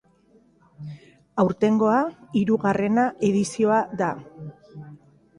Aurtengoa, hirugarrena edizioa da.